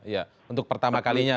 ya untuk pertama kalinya